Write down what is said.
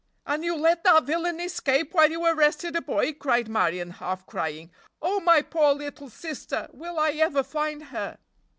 "And you let that villain escape while you arrested a boy!" cried Marion, half crying. "Oh, my poor little sister! Will I ever find her?"